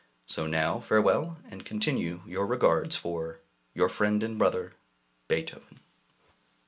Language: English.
So now farewell, and continue your regards for Your friend and brother, BEETHOVEN.